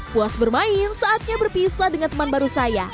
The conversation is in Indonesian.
puas bermain saatnya berpisah dengan teman baru saya